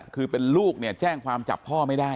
คือเป็นลูกเนี่ยแจ้งความจับพ่อไม่ได้